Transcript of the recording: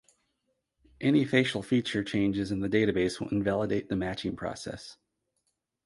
Any facial feature changes in the database will invalidate the matching process.